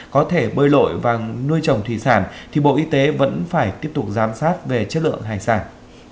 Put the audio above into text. có thể bơi lội vàng nuôi trồng thủy sản thì bộ y tế vẫn phải tiếp tục giám sát về chất lượng hải sản